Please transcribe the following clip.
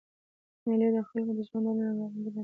مېلې د خلکو د ژوندانه د رنګارنګۍ ننداره ده.